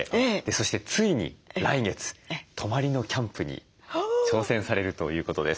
そしてついに来月泊まりのキャンプに挑戦されるということです。